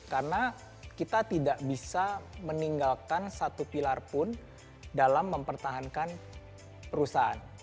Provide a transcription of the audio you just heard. karena kita tidak bisa meninggalkan satu pilar pun dalam mempertahankan perusahaan